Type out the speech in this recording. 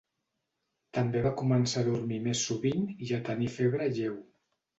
També va començar a dormir més sovint i a tenir febre lleu.